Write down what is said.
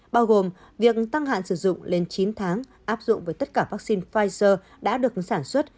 bao gồm việc tăng hạn sử dụng lên chín tháng áp dụng với tất cả vaccine pfizer đã được sản xuất